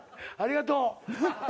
ありがとう。